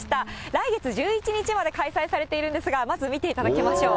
来月１１日まで開催されているんですが、まず見ていただきましょう。